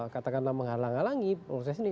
katakanlah menghalang halangi proses ini